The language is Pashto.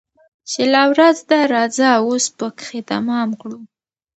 چي لا ورځ ده راځه وس پكښي تمام كړو